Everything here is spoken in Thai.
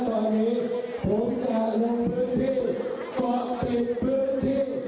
ต้องช่วยแปลอีกนิดนึงเพราะว่าเสียงสินหวัง